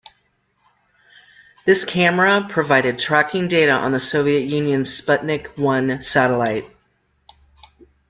This camera provided tracking data on the Soviet Union's Sputnik I satellite.